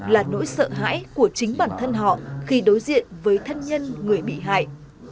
là nỗi sợ hãi của chính bản thân họ khi đối diện với thân nhân người bị hại